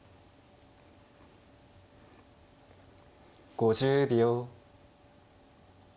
５０秒。